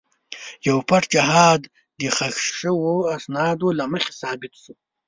یو پټ جهاد د ښخ شوو اسنادو له مخې ثابت شو.